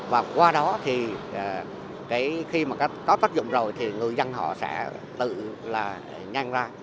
và qua đó thì khi có tác dụng rồi thì người dân họ sẽ tự nhăn ra